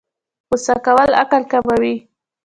غوسه کول عقل کموي